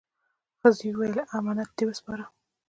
ښځه وویل: «امانت دې وسپاره؟»